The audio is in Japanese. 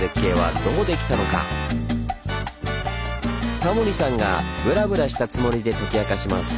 タモリさんがブラブラしたつもりで解き明かします。